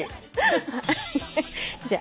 じゃあ。